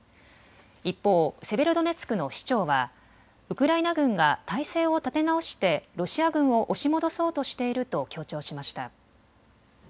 一方、セベロドネツクの市長はウクライナ軍が態勢を立て直してロシア軍を押し戻そうとしていると強調しました。